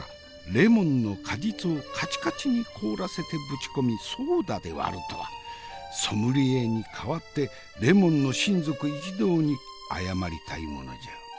レモンの果実をカチカチに凍らせてぶち込みソーダで割るとはソムリエに代わってレモンの親族一同に謝りたいものじゃ。